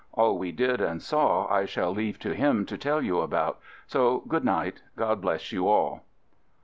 All we did and saw I shall leave to him to tell you about, so, good night. God bless you all.